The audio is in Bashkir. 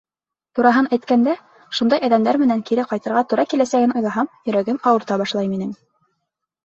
Тураһын әйткәндә, шундай әҙәмдәр менән кире ҡайтырға тура киләсәген уйлаһам, йөрәгем ауырта башлай минең.